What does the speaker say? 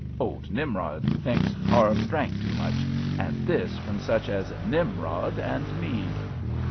"Old Nimrod thinks Harve drank too much; and this from such as Nimrod and me!